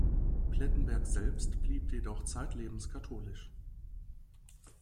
Plettenberg selbst blieb jedoch zeitlebens katholisch.